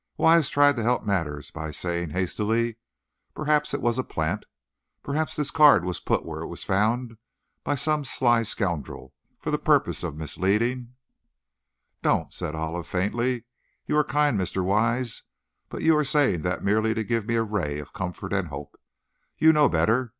Wise tried to help matters by saying, hastily, "Perhaps it was a plant! Perhaps this card was put where it was found by some sly scoundrel for the purpose of misleading " "Don't!" said Olive, faintly; "you are kind, Mr. Wise, but you are saying that merely to give me a ray of comfort and hope. You know better.